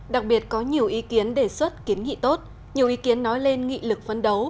đặc biệt có nhiều ý kiến đề xuất kiến nghị tốt nhiều ý kiến nói lên nghị lực phấn đấu